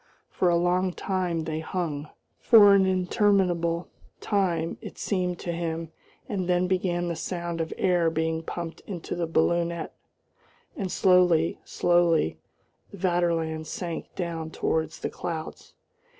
For a long time they hung, for an interminable time it seemed to him, and then began the sound of air being pumped into the balloonette, and slowly, slowly the Vaterland sank down towards the clouds.